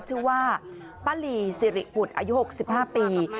ชื่อว่าป้าลีสิริบุตรอายุ๖๕ปี